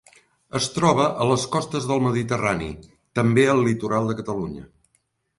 Es troba a les costes del Mediterrani, també al litoral de Catalunya.